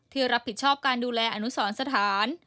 ที่รับผิดชอบการดูแลอนุสรสถาน